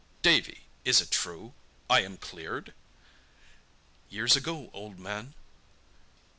"Davy! Is it true? I am cleared?" "Years ago, old man."